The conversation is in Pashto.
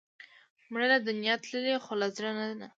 مړه له دنیا تللې، خو له زړه نه نه